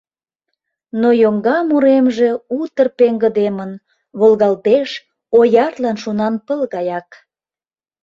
Но йоҥга муремже утыр пеҥгыдемын, волгалтеш, оярлан шонанпыл гаяк.